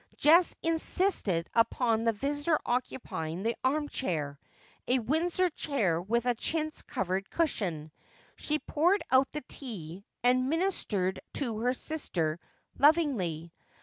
Jess insisted upon the visitor occupying the arm chair, a Windsor chair with a chintz covered cushion. She poured out the tea, and ministered to her sister loviDgly.